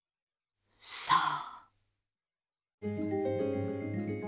さあ。